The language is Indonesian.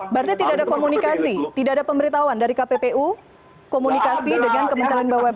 berarti tidak ada komunikasi tidak ada pemberitahuan dari kppu komunikasi dengan kementerian bumn